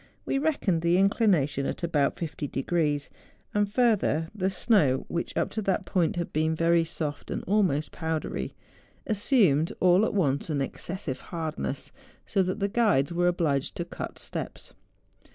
We reckoned the inclination at about 50 de¬ grees. And furtlier, the snow which, up to that point, had been very soft and almost powdery, as¬ sumed all at once an excessive hardness, so that the guides were obliged to cut steps.